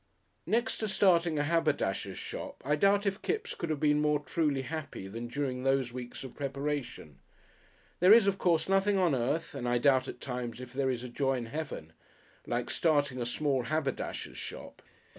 Next to starting a haberdasher's shop I doubt if Kipps could have been more truly happy than during those weeks of preparation. There is, of course, nothing on earth, and I doubt at times if there is a joy in Heaven, like starting a small haberdasher's shop.